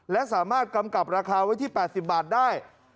และสามารถกำกับราคาไว้ที่๘๐บาทได้